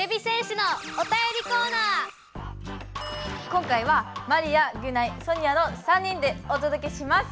今回はマリアギュナイソニアの３人でおとどけします！